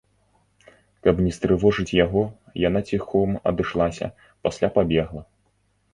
Каб не стрывожыць яго, яна ціхом адышлася, пасля пабегла.